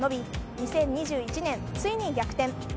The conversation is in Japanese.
２０２１年、ついに逆転。